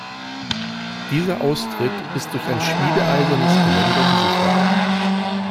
Dieser Austritt ist durch ein schmiedeeisernes Geländer gesichert.